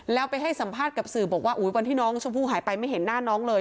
แล้วไปให้สัมภาษณ์กับสื่อบอกว่าวันที่น้องชมพู่หายไปไม่เห็นหน้าน้องเลย